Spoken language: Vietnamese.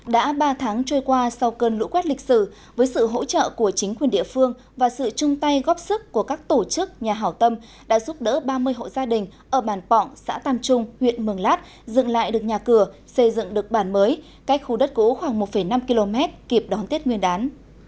đã ba tháng trôi qua sau cơn lũ quét lịch sử với sự hỗ trợ của chính quyền địa phương và sự chung tay góp sức của các tổ chức nhà hảo tâm đã giúp đỡ ba mươi hộ gia đình ở bản pọng xã tam trung huyện mường lát dựng lại được nhà cửa xây dựng được bản mới cách khu đất cũ khoảng một năm km kịp đón tết nguyên đán